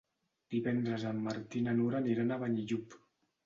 Divendres en Martí i na Nura aniran a Benillup.